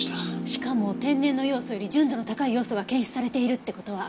しかも天然のヨウ素より純度の高いヨウ素が検出されているって事は。